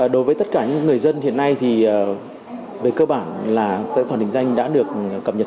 đối với tất cả những người dân hiện nay thì về cơ bản là tài khoản định danh đã được cập nhật